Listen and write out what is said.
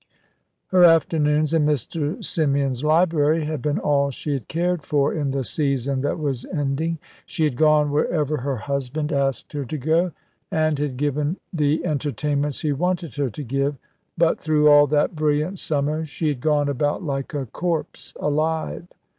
Her afternoons in Mr. Symeon's library had been all she had cared for in the season that was ending. She had gone wherever her husband asked her to go, and had given the entertainments he wanted her to give; but through all that brilliant summer she had gone about like "a corpse alive."